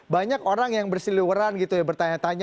banyak orang yang bersiliweran gitu ya bertanya tanya